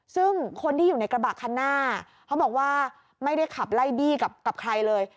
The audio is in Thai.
ซึ่งคนที่อยู่ในกระบะคันหน้าเขาบอกว่าไม่ได้ขับไล่บี้กับใครเลย